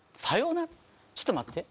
ちょっと待ってえっ？